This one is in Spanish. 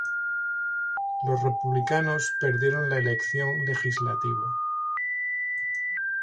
Los Republicanos perdieron la elección legislativa.